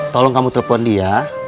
tolong kamu telepon dia